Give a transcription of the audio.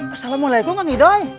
assalamualaikum kak idoi